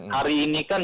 hari ini kan